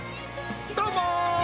どうもー！